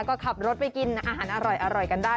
ก็ขับรถไปกินอาหารอร่อยกันได้